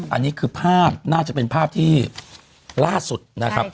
อันนี้คือภาพน่าจะเป็นภาพที่ล่าสุดนะครับ